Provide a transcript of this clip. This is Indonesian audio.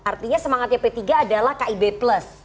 artinya semangatnya p tiga adalah kib plus